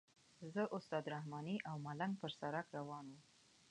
زه استاد رحماني او ملنګ پر سړک روان وو.